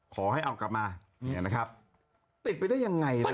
ขอให้เอากลับมาเนี่ยนะครับติดไปได้ยังไงล่ะ